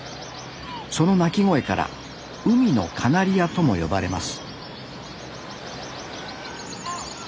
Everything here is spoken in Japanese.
その鳴き声から海のカナリアとも呼ばれます